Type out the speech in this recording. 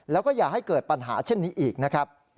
แล้วก็อย่าให้เกิดปัญหาเช่นนี้อีกนะครับ